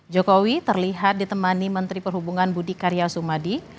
jokowi terlihat ditemani menteri perhubungan budi karya sumadi